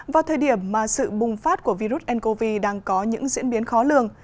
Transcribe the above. vào thời điểm mà sự bùng phát của virus ncov đang có những diễn biến khó lường